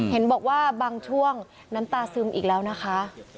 เห็นบอกว่าบางช่วงน้ำตาซึมอีกแล้วนะคะ